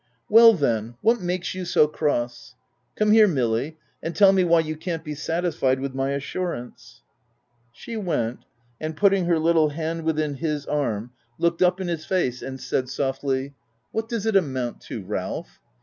"Well then, what makes you so cross? Come here Milly, and tell me why you can't be satisfied with my assurance.'' She went, .and, putting her little hand within his arm, looked up in his face, and said softly, — 256 THE TENANT u What does it amount to Ralph